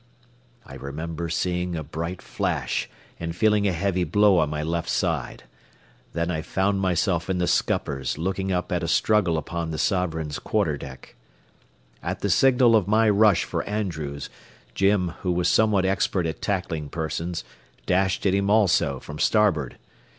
I remember seeing a bright flash and feeling a heavy blow on my left side. Then I found myself in the scuppers looking up at a struggle upon the Sovereign's quarter deck. At the signal of my rush for Andrews, Jim, who was somewhat expert at tackling persons, dashed at him also from starboard.